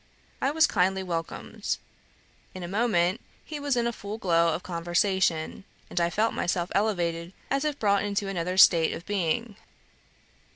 I was kindly welcomed. In a moment he was in a full glow of conversation, and I felt myself elevated as if brought into another state of being.